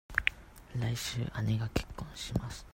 来週、姉が結婚します。